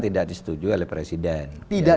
tidak disetujui oleh presiden tidak